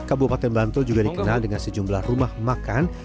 kabupaten bantul juga dikenal dengan sejumlah rumah makan